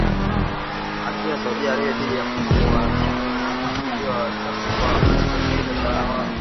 Hatua ya Saudi Arabia dhidi ya kuwanyonga washia ilizua machafuko katika eneo hilo hapo awali